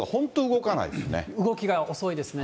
動きが遅いですね。